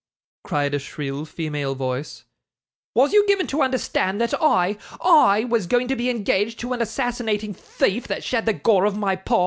cried a shrill female voice, 'was you given to understand that I I was going to be engaged to an assassinating thief that shed the gore of my pa?